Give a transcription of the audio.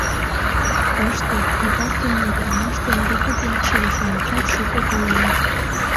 Тыште титакдыме ӱдырамаш ден тыгыде икшыве-шамычат шуко коленыт.